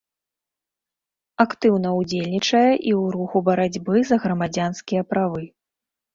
Актыўна ўдзельнічае і ў руху барацьбы за грамадзянскія правы.